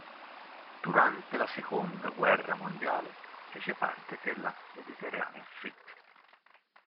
Durante la seconda guerra mondiale fece parte della "Mediterranean Fleet".